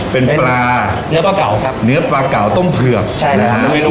เป็นปลาเนื้อปลาเก่าครับเนื้อปลาเก่าต้มเผือกใช่นะฮะ